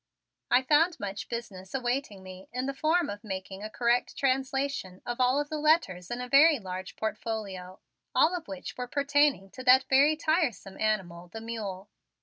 I found much business awaiting me in the form of making a correct translation of all of the letters in a very large portfolio, all of which were pertaining to that very tiresome animal, the mule.